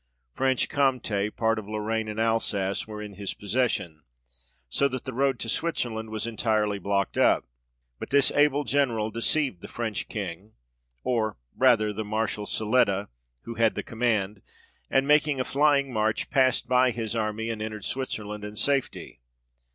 Franche Comte", part of Lorraine, and Alsace, were in his possession ; so that the road to Switzerland was entirely blocked up : but this able General, deceived the French King (or rather the Marshal Siletta, who had the command) and making a flying march, passed by his army, and entered Switzer land in safety.